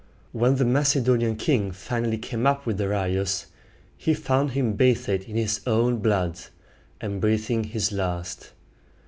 When the Macedonian king finally came up with Darius, he found him bathed in his own blood, and breathing his last.